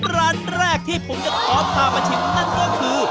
ร้านแรกที่ผมจะขอพามาชิมนั่นก็คือ